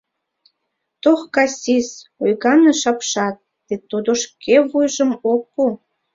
— Тох кас сис, — ойганыш апшат, — вет тудо шке вуйжым ок пу.